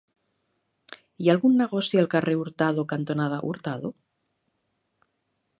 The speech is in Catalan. Hi ha algun negoci al carrer Hurtado cantonada Hurtado?